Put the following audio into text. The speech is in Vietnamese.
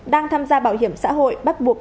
đang tham gia bảo hiểm xã hội bắt buộc